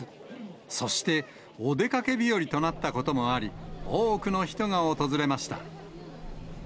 そして、お出かけ日和となったこともあり、多くの人が訪れました。